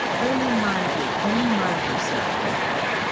"Only mildly; only mildly, sir."